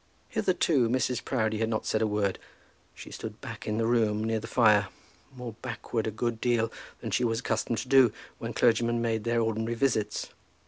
Hitherto Mrs. Proudie had not said a word. She stood back in the room, near the fire, more backward a good deal than she was accustomed to do when clergymen made their ordinary visits.